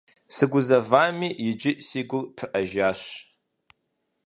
Сыгузэвами, иджы си гур пыӀэжащ.